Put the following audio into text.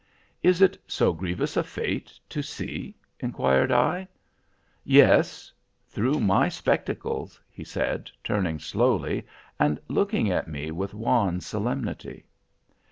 "Is it so grievous a fate, to see?" inquired I. "Yes; through my spectacles," he said, turning slowly and looking at me with wan solemnity.